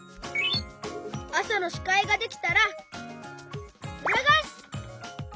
あさのしかいができたらうらがえす！